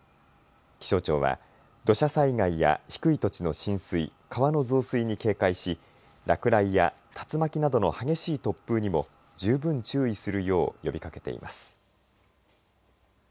気象庁は土砂災害や低い土地の浸水川の増水に警戒し落雷や竜巻などの激しい突風にも十分注意するよう呼びかけています。